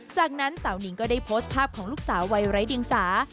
จากนั้นสาวนิงก็ได้โพสต์ภาพของลูกสาววัยไร้เดียงสา